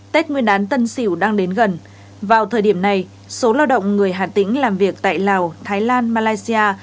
tết nguyên đán tân sỉu đang đến gần vào thời điểm này số lao động người hà tĩnh làm việc tại lào thái lan malaysia